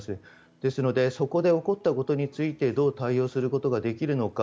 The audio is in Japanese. ですのでそこで起こったことについてどう対応することができるのか。